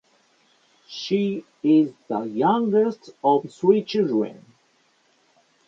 She is the youngest of three children.